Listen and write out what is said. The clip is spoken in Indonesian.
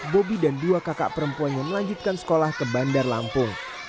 bobi dan dua kakak perempuannya melanjutkan sekolah ke bandar lampung